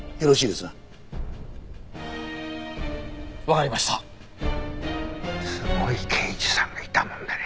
すごい刑事さんがいたもんだね。